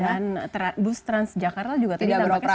dan bus transjakarta juga tadi tampaknya sudah beroperasi